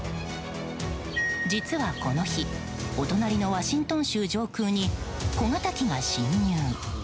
実はこの日お隣のワシントン州上空に小型機が侵入。